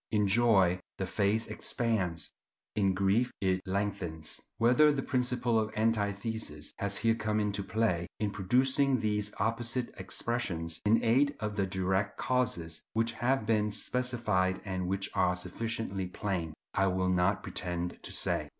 In joy the face expands, in grief it lengthens. Whether the principle of antithesis has here come into play in producing these opposite expressions, in aid of the direct causes which have been specified and which are sufficiently plain, I will not pretend to say.